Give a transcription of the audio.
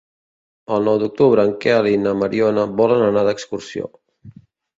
El nou d'octubre en Quel i na Mariona volen anar d'excursió.